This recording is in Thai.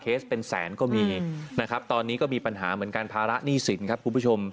เป็นแสนก็มีนะครับตอนนี้ก็มีปัญหาเหมือนกันภาระหนี้สินครับคุณผู้ชม